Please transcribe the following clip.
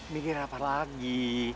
mikir apa lagi